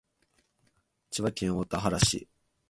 栃木県大田原市